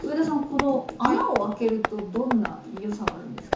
この穴を開けるとどんなよさがあるんですか？